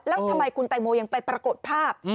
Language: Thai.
แล้วทำไมคุณแตงโมยังไปปรากฏภาพ